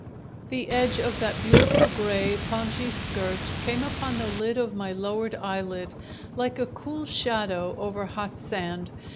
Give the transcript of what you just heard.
The edge of that beautiful grey pongee skirt came upon the lid of my lowered eyelid like a cool shadow over hot sand.